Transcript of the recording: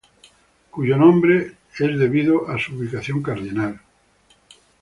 Cuyo nombres son debido a su ubicación cardinal.